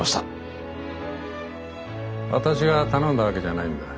私が頼んだわけじゃないんだ。